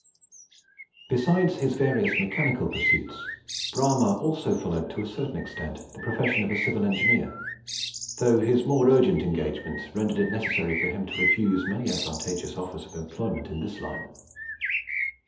Besides his various mechanical pursuits, Bramah also followed to a certain extent the profession of a civil engineer, though his more urgent engagements rendered it necessary for him to refuse many advantageous offers of employment in this line.